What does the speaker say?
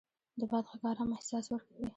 د باد غږ ارام احساس ورکوي